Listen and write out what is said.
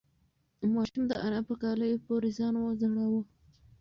ماشوم د انا په کالیو پورې ځان وځړاوه.